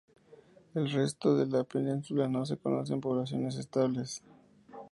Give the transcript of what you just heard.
En el resto de la Península no se conocen poblaciones estables.